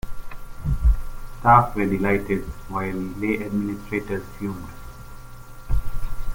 Staff were delighted, while lay administrators fumed.